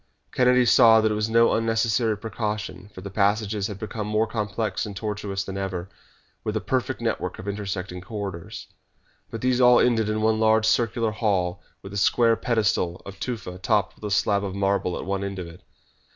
Kennedy saw that it was no unnecessary precaution, for the passages had become more complex and tortuous than ever, with a perfect network of intersecting corridors. But these all ended in one large circular hall with a square pedestal of tufa topped with a slab of marble at one end of it.